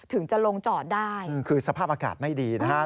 ถึงจะลงจอดได้คือสภาพอากาศไม่ดีนะฮะ